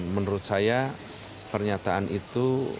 menurut saya pernyataan itu